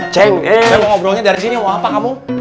saya mau ngobrolnya dari sini mau apa kamu